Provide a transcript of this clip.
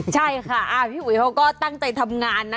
ใช่ค่ะพี่อุ๋ยเขาก็ตั้งใจทำงานนะ